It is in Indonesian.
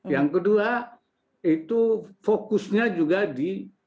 yang kedua itu fokusnya juga di